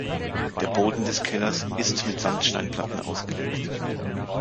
Der Boden des Kellers ist mit Sandsteinplatten ausgelegt.